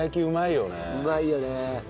うまいよね。